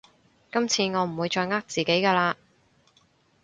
今次我唔會再呃自己㗎喇